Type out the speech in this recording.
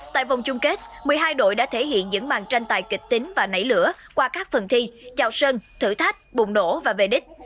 tại vòng chung kết một mươi hai đội đã thể hiện những màn tranh tài kịch tính và nảy lửa qua các phần thi chào sân thử thách bùng nổ và về đích